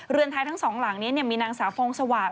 เรือนไทยทั้งสองหลังนี้มีนางสาวฟองสวาส